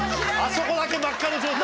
そこだけ真っ赤の状態。